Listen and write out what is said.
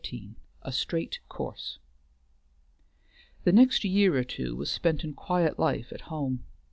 XIII A STRAIGHT COURSE The next year or two was spent in quiet life at home.